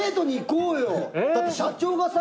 だって社長がさ